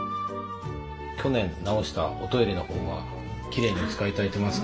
去年直したおトイレのほうはきれいにお使いいただいてますか？